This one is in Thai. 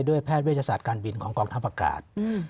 ด้วยแพทย์วิทยาศาสตร์การบินของกองท้าวอากาศ